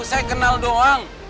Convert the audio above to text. saya kenal doang